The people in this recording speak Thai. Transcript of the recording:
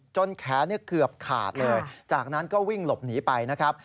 แขนเกือบขาดเลยจากนั้นก็วิ่งหลบหนีไปนะครับ